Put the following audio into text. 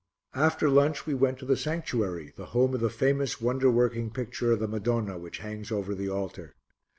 After lunch we went to the sanctuary, the home of the famous wonder working picture of the Madonna which hangs over the altar.